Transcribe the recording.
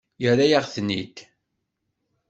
Yerra-yaɣ-ten-id.